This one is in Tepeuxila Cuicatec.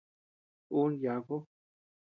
Un yaku.